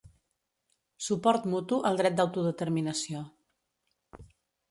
Suport mutu al dret d’autodeterminació.